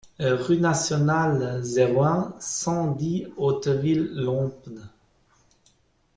Rue Nationale, zéro un, cent dix Hauteville-Lompnes